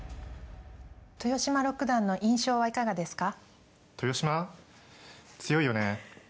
豊島六段の印象はいかがですか？